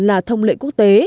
là thông lệ quốc tế